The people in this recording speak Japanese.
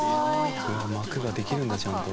膜ができるんだちゃんと。